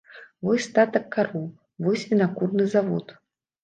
Вось статак кароў, вось вінакурны завод.